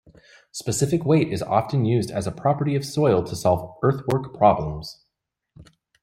Specific weight is often used as a property of soil to solve earthwork problems.